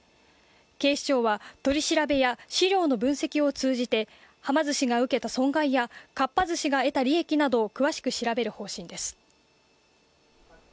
警視庁は、取り調べや資料の分析を通じてはま寿司が受けた損害やかっぱ寿司が得た利益などを詳しく調べる方針です。